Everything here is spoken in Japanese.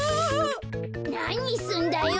なにすんだよ！